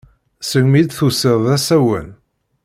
Segmi i d-tusiḍ d asawen.